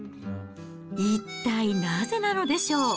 一体なぜなのでしょう。